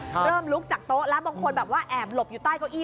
เริ่มลุกจากโต๊ะแล้วบางคนแบบว่าแอบหลบอยู่ใต้เก้าอี้